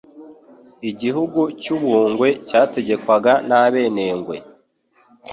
Igihugu cy'u Bungwe cyategekwaga n'Abenengwe.